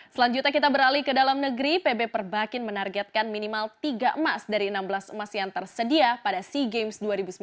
selanjutnya kita beralih ke dalam negeri pb perbakin menargetkan minimal tiga emas dari enam belas emas yang tersedia pada sea games dua ribu sembilan belas